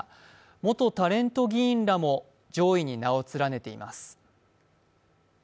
元タレント議員らも上位に名を連ねています。